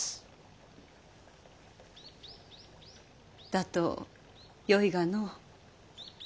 だとよいがの。